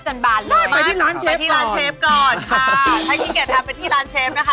แฮะให้เกียร์ทำไปที่ร้านเชฟนะคะ